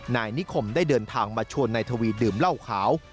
นายนิคมได้เดินทางมาชวนนายทวีดื่มเหล้าขาว